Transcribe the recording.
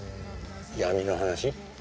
闇の話？